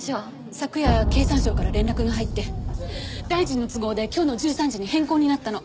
昨夜経産省から連絡が入って大臣の都合で今日の１３時に変更になったの。